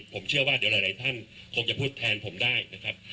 ผมเชื่อว่าเดี๋ยวหลายท่านคงจะพูดแทนผมได้นะครับ